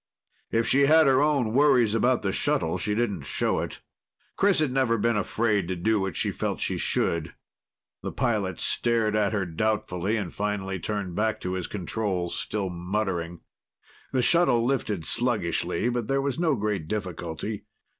If she had her own worries about the shuttle, she didn't show it. Chris had never been afraid to do what she felt she should. The pilot stared at her doubtfully and finally turned back to his controls, still muttering. The shuttle lifted sluggishly, but there was no great difficulty.